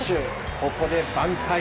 ここで挽回！